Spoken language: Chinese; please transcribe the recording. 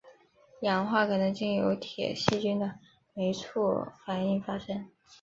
氧化可能经由铁细菌的酶促反应发生。